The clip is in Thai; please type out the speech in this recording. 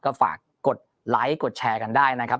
ก็ฝากกดไลค์กดแชร์กันได้นะครับ